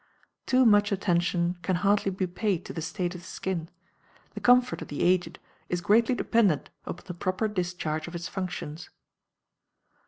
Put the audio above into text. Too much attention can hardly be paid to the state of the skin; the comfort of the aged is greatly dependent upon the proper discharge of its functions.